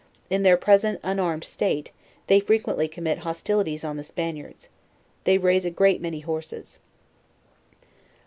In their present unarmed state, they frequently commit hostili ties on the Spaniards, They raise a great many horses.